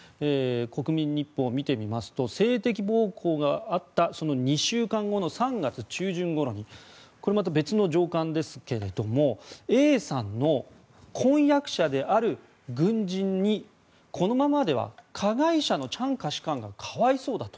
国民日報を見てきますと性的暴行があったその２週間後の３月中旬ごろにこれまた別の上官ですがＡさんの婚約者である軍人にこのままでは加害者のチャン下士官が可哀想だと。